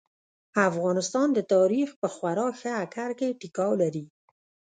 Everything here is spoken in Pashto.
افغانستان د تاريخ په خورا ښه اکر کې ټيکاو لري.